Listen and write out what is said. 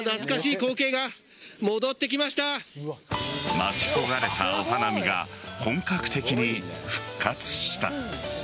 待ち焦がれたお花見が本格的に復活した。